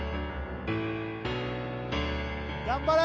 頑張れ！